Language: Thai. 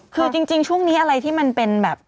คือจริงช่วงนี้อะไรที่มันเป็นแบบ